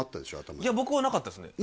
頭にいや僕はなかったですね